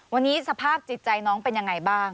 วันนี้สภาพจิตใจน้องเป็นยังไงบ้าง